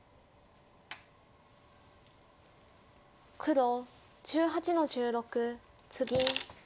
黒１８の十六ツギ。